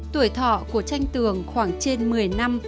tuổi thọ của tranh tường khoảng trên một mươi năm